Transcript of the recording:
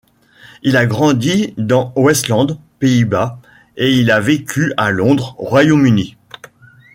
Il a grandi dans Westland, Pays-Bas et il a vécu à Londres, Royaume-Uni.